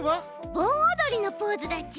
ぼんおどりのポーズだち。